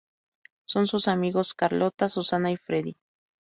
Son sus amigos Carlota, Susana y Freddy.